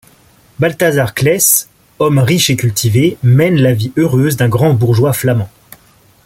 Balthazar Claës, homme riche et cultivé, mène la vie heureuse d’un grand bourgeois flamand.